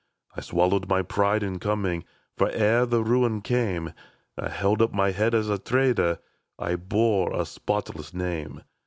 I swallowed my pride in coming. For, ere the ruin came, I held up my hea<l as a trader, And 1 bore a spotless name.